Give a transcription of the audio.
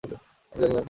আমি জানি, ম্যাম।